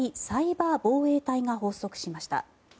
サイバー防衛隊が発足しました。